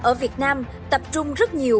ở việt nam tập trung rất nhiều